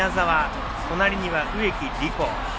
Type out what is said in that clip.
隣には植木理子。